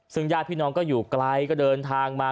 ซึ่งญาติพี่น้องก็อยู่ไกลก็เดินทางมา